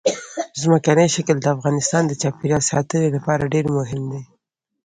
ځمکنی شکل د افغانستان د چاپیریال ساتنې لپاره ډېر مهم دي.